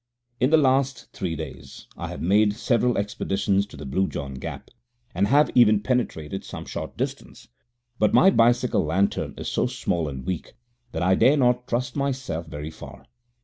In the last three days I have made several expeditions to the Blue John Gap, and have even penetrated some short distance, but my bicycle lantern is so small and weak that I dare not trust myself very far.